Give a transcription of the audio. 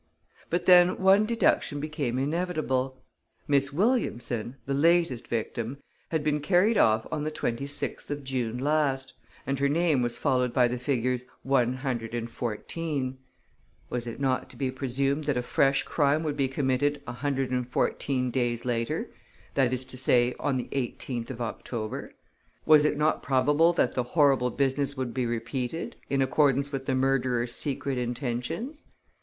But then one deduction became inevitable. Miss Williamson, the latest victim, had been carried off on the 26th of June last, and her name was followed by the figures 114: was it not to be presumed that a fresh crime would be committed a hundred and fourteen days later, that is to say, on the 18th of October? Was it not probable that the horrible business would be repeated in accordance with the murderer's secret intentions?